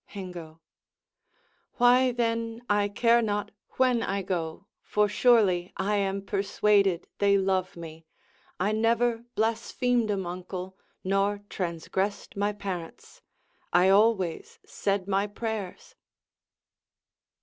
Hengo Why, then, I care not when I go, for surely I am persuaded they love me: I never Blasphemed 'em, uncle, nor transgressed my parents; I always said my prayers.